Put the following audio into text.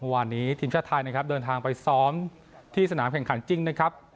วันนี้ทีมชาติไทยนะครับเดินทางไปซ้อมที่สนามแข่งขันจริงนะครับ